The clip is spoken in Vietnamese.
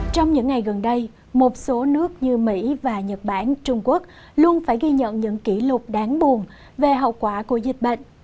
trong những ngày gần đây một số nước như mỹ và nhật bản trung quốc luôn phải ghi nhận những kỷ lục đáng buồn về hậu quả của dịch bệnh